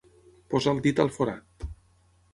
Posar el dit al forat.